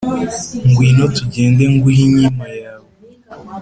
ngwino tugende nguhe inkima yawe,